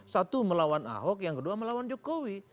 satu melawan ahok yang kedua melawan jokowi